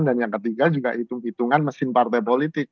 dan yang ketiga juga hitung hitungan mesin partai politik